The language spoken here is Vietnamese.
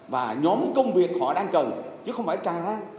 và nhóm công việc họ đang cần chứ không phải tràn ra